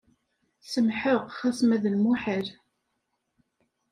Semḥeɣ xas ma d lemuḥal.